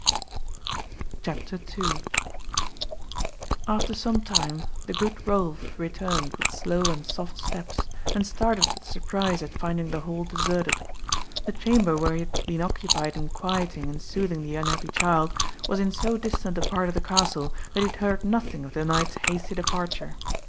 CHAPTER 2 After some time the good Rolf returned with slow and soft steps, and started with surprise at finding the hall deserted. The chamber where he had been occupied in quieting and soothing the unhappy child was in so distant a part of the castle that he had heard nothing of the knight's hasty departure.